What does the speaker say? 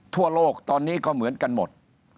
ทั่วโลกตอนนี้ก็เหมือนกันหมด